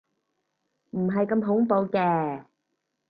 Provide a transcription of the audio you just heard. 唔係咁恐怖嘅